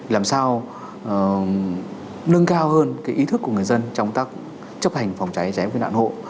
làm sao nâng cao hơn cái ý thức của người dân trong tác chấp hành phòng cháy cháy nạn hộ